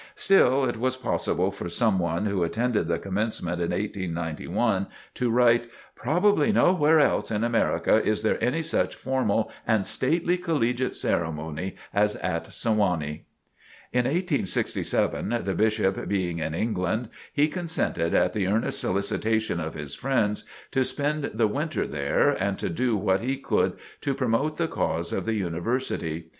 Still it was possible for some one who attended the commencement in 1891, to write: "Probably nowhere else in America is there any such formal and stately collegiate ceremony as at Sewanee." In 1867, the Bishop being in England, he consented at the earnest solicitation of his friends, to spend the winter there, and to do what he could to promote the cause of the University.